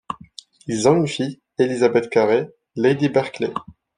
Ils ont une fille, Elizabeth Carey, Lady Berkeley.